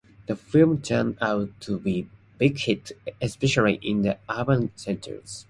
The film turned out to be a big hit, especially in the urban centres.